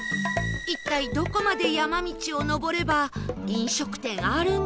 一体どこまで山道を上れば飲食店あるんでしょう？